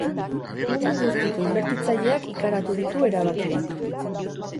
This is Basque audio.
Mundu guztiko inbertitzaileak ikaratu ditu erabakiak.